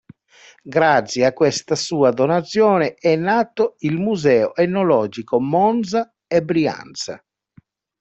Grazie a questa sua donazione è nato il Museo Etnologico Monza e Brianza.